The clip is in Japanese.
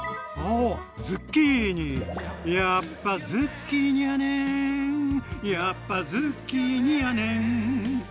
「やっぱズッキーニやねんやっぱズッキーニやねん」